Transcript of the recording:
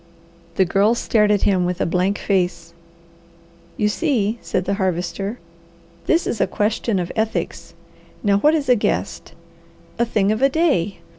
The Girl stared at him with blank face. "You see," said the Harvester, "this is a question of ethics. Now what is a guest? A thing of a day!